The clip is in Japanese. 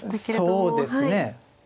そうですね。